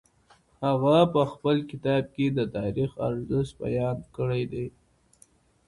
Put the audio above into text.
هغه په خپل کتاب کي د تاریخ ارزښت بیان کړی دی.